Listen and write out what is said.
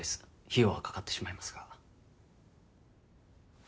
費用は掛かってしまいますが。